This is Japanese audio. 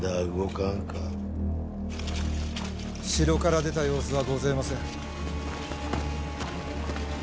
城から出た様子はごぜません。